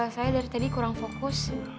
saya dari tadi kurang fokus